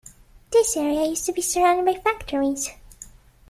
This area used to be surrounded by factories.